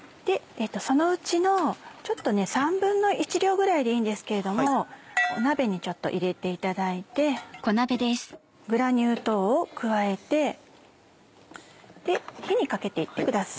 そのうちの１／３量ぐらいでいいんですけれども鍋にちょっと入れていただいてグラニュー糖を加えて火にかけて行ってください。